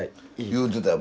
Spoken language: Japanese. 言うてたよ